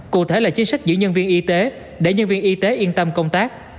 cụ thể là chính sách giữ nhân viên y tế để nhân viên y tế yên tâm công tác